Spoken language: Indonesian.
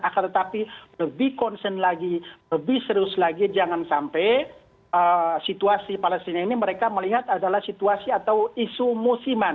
akan tetapi lebih concern lagi lebih serius lagi jangan sampai situasi palestina ini mereka melihat adalah situasi atau isu musiman